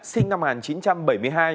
sinh năm một nghìn chín trăm bảy mươi hai